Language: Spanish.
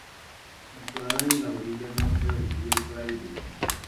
Situada en la orilla norte del río Clyde.